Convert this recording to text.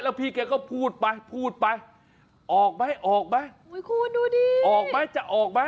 แล้วพี่เคยก็พูดไปพูดไปออกมั้ยออกมั้ยออกมั้ยจะออกมั้ย